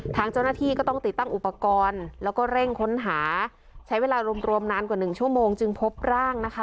ทางเจ้าหน้าที่ก็ต้องติดตั้งอุปกรณ์แล้วก็เร่งค้นหาใช้เวลารวมนานกว่าหนึ่งชั่วโมงจึงพบร่างนะคะ